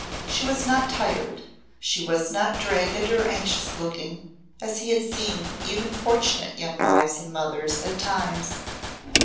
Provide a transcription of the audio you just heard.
She was not tired; she was not dragged or anxious looking as he had seen even fortunate young wives and mothers at times.